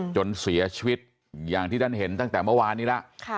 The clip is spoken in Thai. จนเสียชีวิตอย่างที่ท่านเห็นตั้งแต่เมื่อวานนี้แล้ว